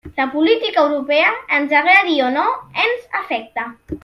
La política europea, ens agradi o no, ens afecta.